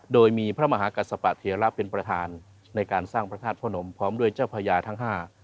โดยมีพระมหากษัตเทียระเป็นประธานในการสร้างพระธาตุพระนมพร้อมด้วยเจ้าพญาทั้งห้า